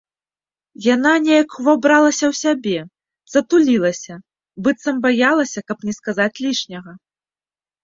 Яна неяк увабралася ў сябе, затулілася, быццам баялася, каб не сказаць лішняга.